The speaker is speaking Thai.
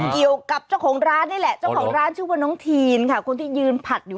เกี่ยวกับเจ้าของร้านนี้แหละ